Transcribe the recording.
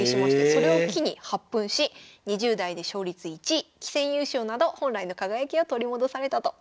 それを機に発奮し２０代で勝率１位棋戦優勝など本来の輝きを取り戻されたということです。